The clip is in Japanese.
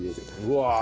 うわ！